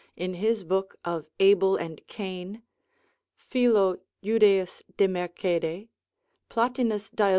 in his book of Abel and Cain, Philo Judeus de mercede mer. Platina's dial.